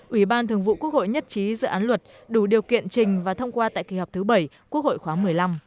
ủy ban thường vụ quốc hội nhất trí dự án luật đủ điều kiện trình và thông qua tại kỳ họp thứ bảy quốc hội khoáng một mươi năm